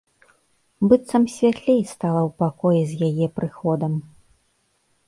Быццам святлей стала ў пакоі з яе прыходам.